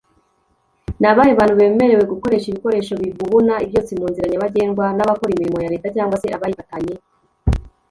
nabahe bantu bemerewe gukoresha ibikoresho bivubuna ibyotsi munzira nyabagendwa?nabakora imirimo ya leta cg se abayipatanye